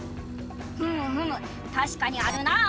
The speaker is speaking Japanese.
ふむふむたしかにあるなあ。